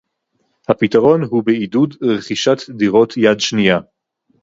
הפתרון הוא בעידוד רכישת דירות יד שנייה